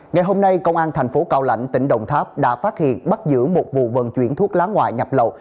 ngày hôm nay công an thành phố cao lãnh tỉnh đồng tháp đã phát hiện bắt giữ một vụ vận chuyển thuốc lá ngoại nhập lậu